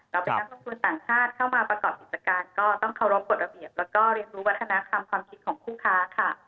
เราเป็นช่องคุณต่างชาติเข้ามาประกอบกิจการก็ต้องเคารพกฎสงครามก็เรียนรู้วัฒนาความคิดของคู่ค้าค่ะ